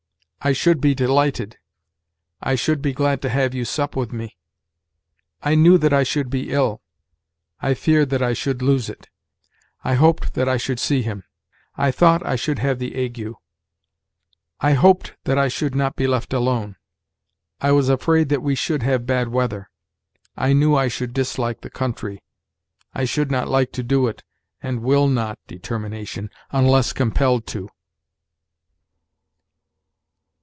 "I should be delighted." "I should be glad to have you sup with me." "I knew that I should be ill." "I feared that I should lose it." "I hoped that I should see him." "I thought I should have the ague." "I hoped that I should not be left alone." "I was afraid that we should have bad weather." "I knew I should dislike the country." "I should not like to do it, and will not [determination] unless compelled to."